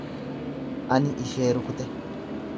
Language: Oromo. Ani ishee rukute.